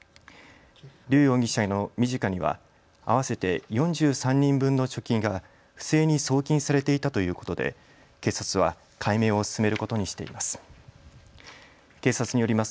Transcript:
劉容疑者のｍｉｊｉｃａには合わせて４３人分の貯金が不正に送金されていたということで警察は解明を進めることにしています。